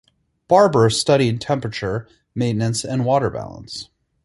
Barbour studied temperature maintenance and water balance.